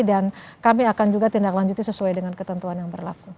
dan kami akan juga tindaklanjuti sesuai dengan ketentuan yang berlaku